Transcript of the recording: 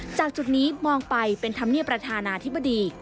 จากจุดนี้มองไปเป็นธรรมเนียบประธานาธิบดี